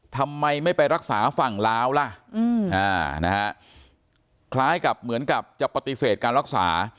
ทำไมไม่ไปรักษาฝั่งลาวล่ะคล้ายกับเหมือนกับจะปฏิเสธการรักษา